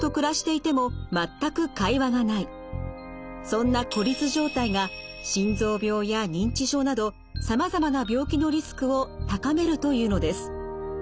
そんな孤立状態が心臓病や認知症などさまざまな病気のリスクを高めるというのです。